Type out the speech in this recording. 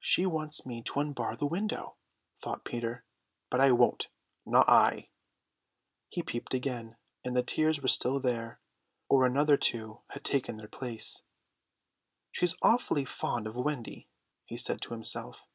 "She wants me to unbar the window," thought Peter, "but I won't, not I!" He peeped again, and the tears were still there, or another two had taken their place. "She's awfully fond of Wendy," he said to himself.